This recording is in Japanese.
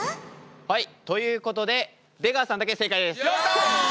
はいということで出川さんだけ正解です。